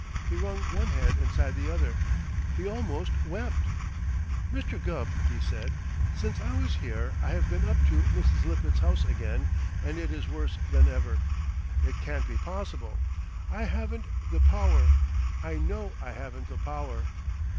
He wrung one hand inside the other. He almost wept. "Mr. Gubb," he said, "since I was here I have been up to Mrs. Lippett's house again, and it is worse than ever. It can't be possible! I haven't the power. I know I haven't the power."